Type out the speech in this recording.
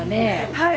はい。